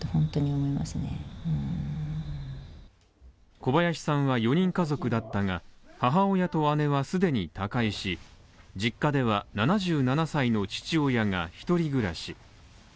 小林さんは４人家族だったが、母親と姉は既に他界し、実家では７７歳の父親が１人暮らし。